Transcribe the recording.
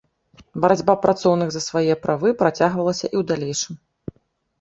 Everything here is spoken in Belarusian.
Барацьба працоўных за свае правы працягвалася і ў далейшым.